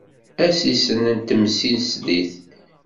Asissen n temsislit.